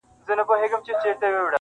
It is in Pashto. • یو څو ورځي په کلا کي ورته تم سو -